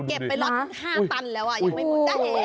เก็บไปรถ๕ตันแล้วได้เห็น